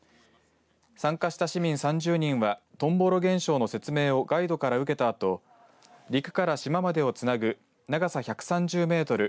参加した市民３０人はトンボロ現象の説明をガイドから受けたあと陸から島までをつなぐ長さ１３０メートル